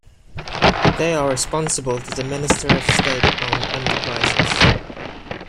They are responsible to the Minister of State Owned Enterprises.